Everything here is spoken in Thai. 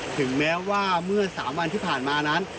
ถึงแม้ว่าเมื่อ๓วันที่ผ่านมานั้น